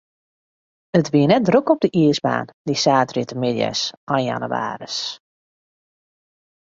It wie net drok op de iisbaan, dy saterdeitemiddeis ein jannewaris.